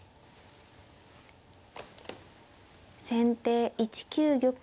先手１九玉。